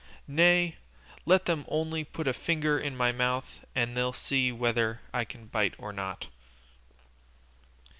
Nay, let them only put a finger in my mouth, and they'll see whether I can bite or not."